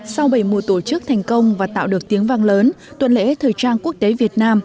sau bảy mùa tổ chức thành công và tạo được tiếng vang lớn tuần lễ thời trang quốc tế việt nam